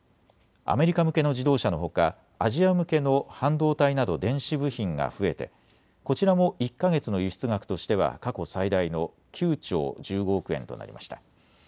アメリカ向けの自動車のほかアジア向けの半導体など電子部品が増えてこちらも１か月の輸出額としては過去最大の９兆１５億円となりました。